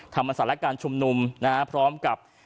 ธรรมศาสตร์และการชุมนุมนะฮะพร้อมกับ